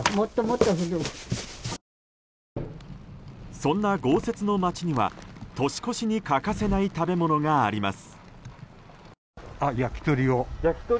そんな豪雪の街には年越しに欠かせない食べ物があります。